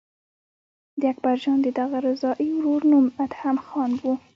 د اکبر پاچا د دغه رضاعي ورور نوم ادهم خان و.